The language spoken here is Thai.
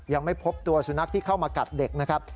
ยังไม่พบตัวสุนัขที่เข้ามากัดเด็กนะครับ